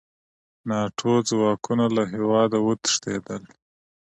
ناټو ځواکونه له هېواده وتښتېدل.